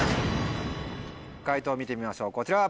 解答を見てみましょうこちら。